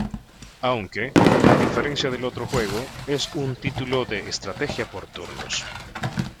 Aunque, a diferencia del otro juego es un título de estrategia por turnos.